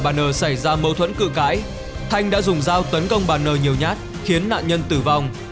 bà n xảy ra mâu thuẫn cự cãi thanh đã dùng dao tấn công bà n nhiều nhát khiến nạn nhân tử vong